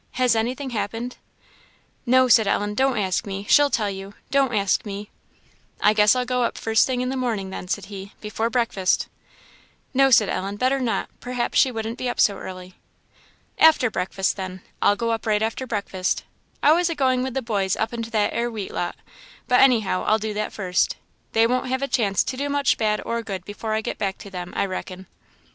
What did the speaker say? Has anything happened?" "No," said Ellen; "don't ask me she'll tell you don't ask me." "I guess I'll go up the first thing in the morning then," said he "before breakfast." "No," said Ellen "better not; perhaps she wouldn't be up so early." "After breakfast, then; I'll go up right after breakfast. I was a going with the boys up into that 'ere wheat lot, but anyhow I'll do that first. They won't have a chance to do much bad or good before I get back to them, I reckon."